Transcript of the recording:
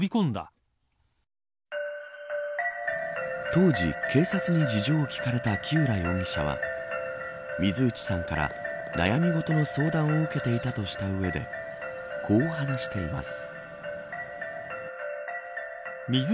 当時、警察に事情を聞かれた木浦容疑者は水内さんから悩み事の相談を受けていたとした上でこう話しています。